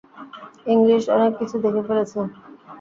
English অনেক কিছু দেখে ফেলেছে।